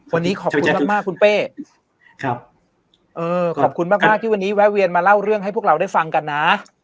วันนี้ขอบคุณมากมากคุณเป้ครับเออขอบคุณมากมากที่วันนี้แวะเวียนมาเล่าเรื่องให้พวกเราได้ฟังกันนะ